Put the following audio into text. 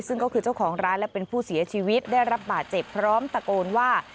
ซึ่งก็คือเจ้าของร้านและเป็นผู้เสียชีวิตได้รับบาดเจ็บพร้อมตะโกนว่า